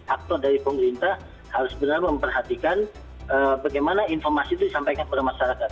aktor dari pemerintah harus benar benar memperhatikan bagaimana informasi itu disampaikan kepada masyarakat